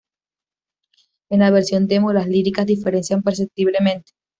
En la versión Demo las líricas diferencian perceptiblemente.